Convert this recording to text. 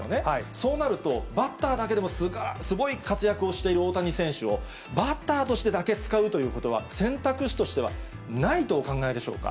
そうなると、バッターだけでもすごい活躍をしている大谷選手を、バッターとしてだけ使うということは、選択肢としてはないとお考えでしょうか。